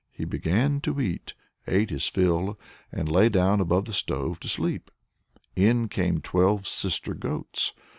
He began to eat, ate his fill, and lay down above the stove to sleep. In came twelve sister goats.